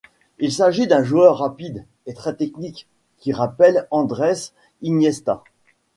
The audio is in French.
Il s'agit d'un joueur rapide et très technique qui rappelle Andrés Iniesta.